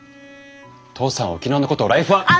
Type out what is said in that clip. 父さんは沖縄のことをライフワーク。